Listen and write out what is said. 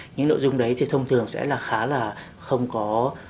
những nội dung đấy thì thông thường sẽ là khá là không có